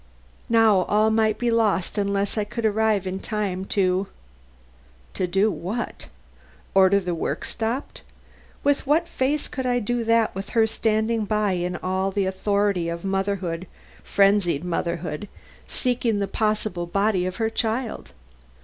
Now all might be lost unless I could arrive in time to do what? Order the work stopped? With what face could I do that with her standing by in all the authority of motherhood frenzied motherhood seeking the possible body of her child!